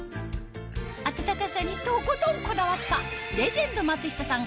暖かさにとことんこだわったレジェンド松下さん